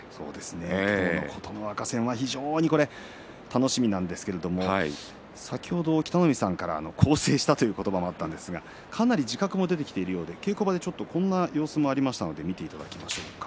今日の琴ノ若戦は非常に楽しみなんですけれども先ほど北の富士さんから更生したという言葉がありましたがかなり自覚も出てきているようで稽古場でこんな様子もありましたので見ていただきましょう。